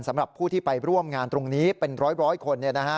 สำหรับผู้ที่ไปร่วมงานตรงนี้เป็นร้อยคน